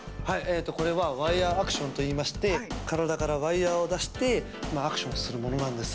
これはワイヤーアクションといいましてからだからワイヤーをだしてアクションをするものなんです。